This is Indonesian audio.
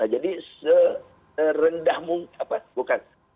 nah jadi serendah mungkin bukan